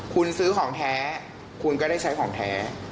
คุณซื้อของแท้คุณก็ได้ใช้ของแท้